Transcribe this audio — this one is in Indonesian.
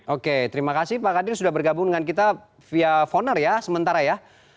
oke terima kasih pak kadir sudah bergabung dengan kita via foner ya sementara ya